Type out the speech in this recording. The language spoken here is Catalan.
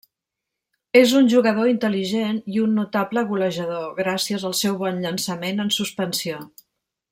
És un jugador intel·ligent i un notable golejador, gràcies al seu bon llançament en suspensió.